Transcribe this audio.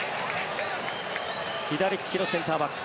左利きのセンターバック